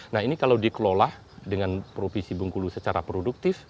nah ini kalau dikelola dengan provinsi bengkulu secara produktif